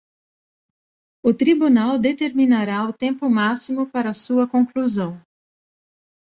O tribunal determinará o tempo máximo para sua conclusão.